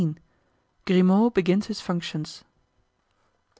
Grimaud begins his Functions.